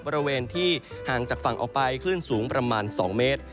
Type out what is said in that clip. บริเวณที่ห่างจากฝั่งออกไปคลื่นสูงประมาณ๒เมตร